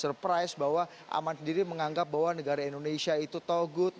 surprise bahwa aman sendiri menganggap bahwa negara indonesia itu togut